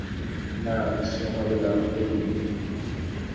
না, সে হবে না, হুকুম নেই।